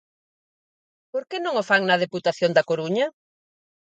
¿Por que non o fan na Deputación da Coruña?